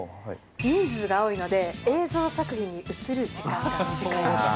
人数が多いので、映像作品に映る時間が短い。